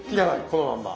このまんま。